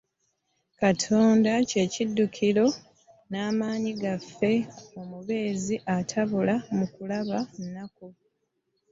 Katonda kye kiddukiro n'amanyi gaffe omubeezi atabula mu kulaba ennaku.